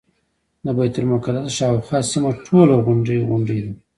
د بیت المقدس شاوخوا سیمه ټوله غونډۍ غونډۍ ده.